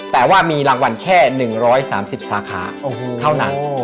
แต่ว่ามีรางวัลแค่๑๓๐สาขาเท่านั้น